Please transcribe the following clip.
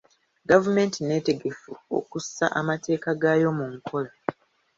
Gavumenti nneetegefu okussa amateeka gaayo mu nkola.